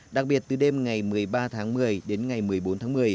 đặc biệt từ đêm ngày một mươi ba tháng một mươi đến ngày một mươi bốn tháng một mươi